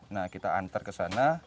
nah kita antar ke sana